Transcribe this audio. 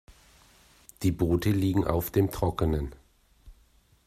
Die Boote liegen auf dem Trockenen.